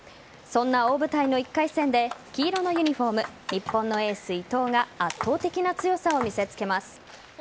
そんな大舞台の１回戦で黄色のユニホーム日本のエース・伊藤が圧倒的な強さを見せつけます。